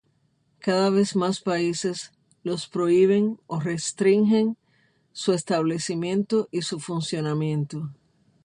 Cada vez más países los prohíben o restringen su establecimiento y su funcionamiento.